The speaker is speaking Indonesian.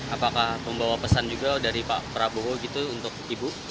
apakah membawa pesan juga dari pak prabowo gitu untuk ibu